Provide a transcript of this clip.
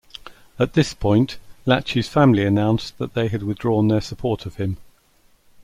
At this point, Laci's family announced that they had withdrawn their support of him.